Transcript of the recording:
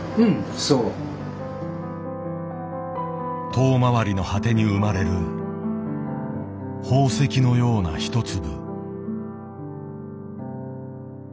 遠回りの果てに生まれる宝石のような１粒。